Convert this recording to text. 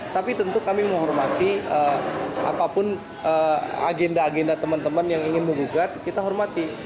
tapi tentu kami menghormati apapun agenda agenda teman teman yang ingin menggugat kita hormati